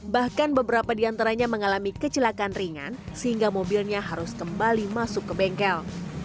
bahkan beberapa di antaranya mengalami kecelakaan ringan sehingga mobilnya harus kembali masuk ke bengkel